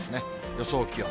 予想気温。